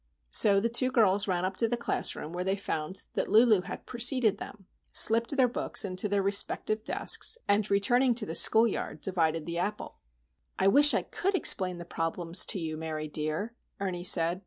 So the two girls ran up to the classroom, where they found that Lulu had preceded them, slipped their books into their respective desks, and, returning to the schoolyard, divided the apple. "I wish I could explain the problems to you, Mary dear," Ernie said.